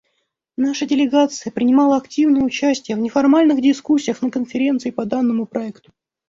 Наша делегация принимала активное участие в неформальных дискуссиях на Конференции по данному проекту.